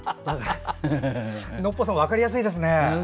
ノッポさん分かりやすいですね。